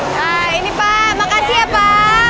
nah ini pak makasih ya pak